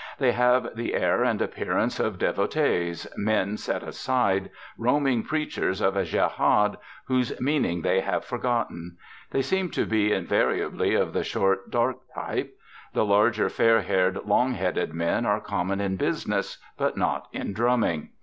They have the air and appearance of devotees, men set aside, roaming preachers of a jehad whose meaning they have forgotten. They seem to be invariably of the short, dark type. The larger, fair haired, long headed men are common in business, but not in 'drumming.'